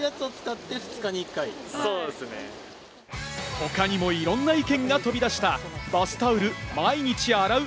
他にもいろんな意見が飛び出したバスタオル毎日洗う？